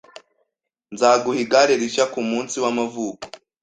Nzaguha igare rishya kumunsi wamavuko.